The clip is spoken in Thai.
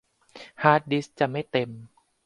ฮาร์ดดิสก์จะไม่เต็ม